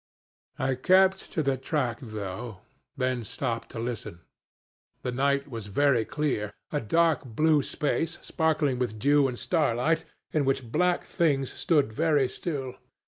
"I kept to the track though then stopped to listen. The night was very clear: a dark blue space, sparkling with dew and starlight, in which black things stood very still.